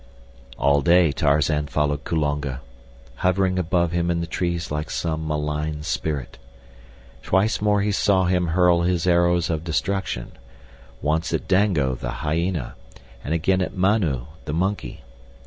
All day Tarzan followed Kulonga, hovering above him in the trees like some malign spirit. Twice more he saw him hurl his arrows of destruction—once at Dango, the hyena, and again at Manu, the monkey.